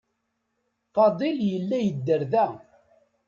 Fadil yella yedder da.